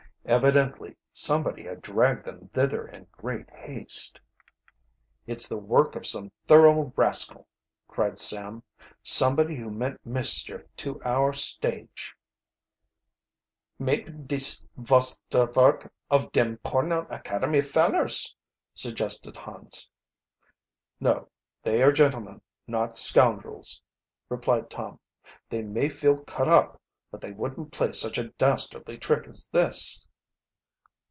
Evidently somebody had dragged them thither in great haste. "It's the work of some thorough rascal!" cried Sam. "Somebody who meant mischief to our stage." "Maype dis vos der vork of dem Pornell Academy fellers," suggested Hans. "No, they are gentlemen, not scoundrels," replied Tom. "They may feel cut up, but they wouldn't play such a dastardly trick as this."